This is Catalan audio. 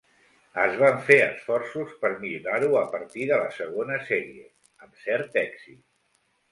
Es van fer esforços per millorar-ho a partir de la segona sèrie, amb cert èxit.